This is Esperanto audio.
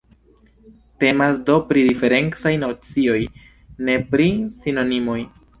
Temas do pri diferencaj nocioj, ne pri sinonimoj.